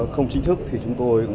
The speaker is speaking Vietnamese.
không chính thức thì chúng tôi